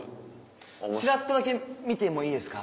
ちらっとだけ見てもいいですか？